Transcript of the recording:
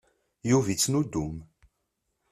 Yuba yettnudum.